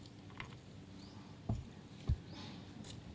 กรรมในประโยชน์นี้